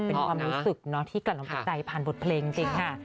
เป็นความรู้สึกเนาะที่กำลังใจผ่านบทเพลงจริงค่ะ